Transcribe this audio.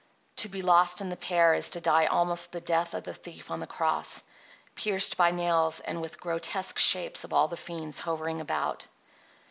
To be lost in the pear is to die almost the death of the thief on the cross, pierced by nails and with grotesque shapes of all the fiends hovering about.